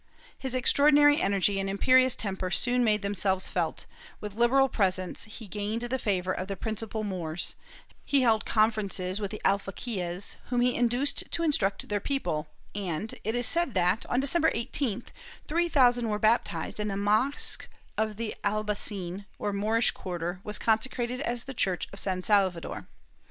His extraordinary energy and imperious temper soon made themselves felt; with liberal presents he gained the favor of the principal Moors; he held conferences with the alfa quies, whom he induced to instruct their people and, it is said that, on December 18th, three thousand were baptized and the mosque of the Albaycin, or Moorish quarter, was consecrated as the church of San Salvador.